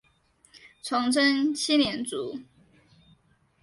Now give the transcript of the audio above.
崇祯七年卒。